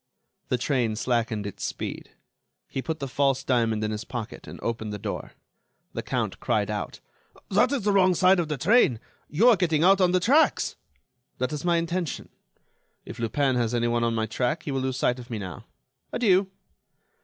The train slackened its speed. He put the false diamond in his pocket and opened the door. The Count cried out: "That is the wrong side of the train. You are getting out on the tracks." "That is my intention. If Lupin has anyone on my track, he will lose sight of me now. Adieu."